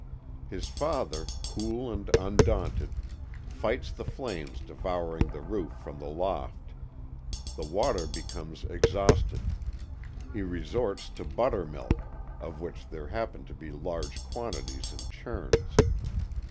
His father, cool and undaunted, fights the flames devouring the roof from the loft. The water becomes exhausted. He resorts to buttermilk, of which there happened to be large quantities in churns.